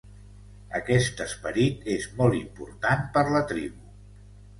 Aquest esperit és molt important per la tribu.